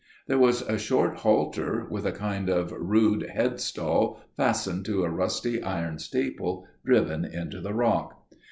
"There was a short halter, with a kind of rude head stall, fastened to a rusty iron staple driven into the rock.